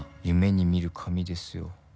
夢に見る髪ですよ。